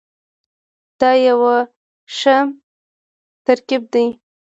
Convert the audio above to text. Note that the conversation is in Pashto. دا یو ښه ترکیب دی.